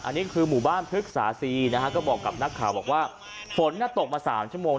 อันนี้คือหมู่บ้านพฤกษาซีนะฮะก็บอกกับนักข่าวบอกว่าฝนตกมา๓ชั่วโมง